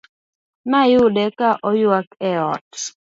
Nayude ka oywak e ot